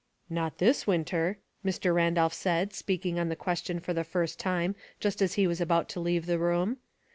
" Not this winter," Mr. Randolph said, speak ing on the question for the first time just as he was about to leave the room.